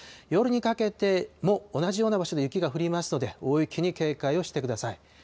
夜にかけても同じような場所で雪が降りますので、大雪に警戒をしてください。